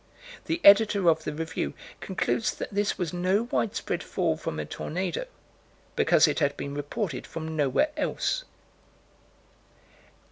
The Editor of the Review concludes that this was no widespread fall from a tornado, because it had been reported from nowhere else.